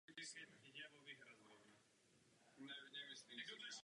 Postupem času však funkce ztratila na vážnosti.